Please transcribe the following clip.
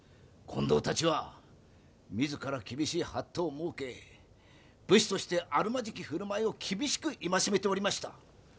近藤たちは自ら厳しい法度を設け武士としてあるまじき振る舞いを厳しく戒めておりました。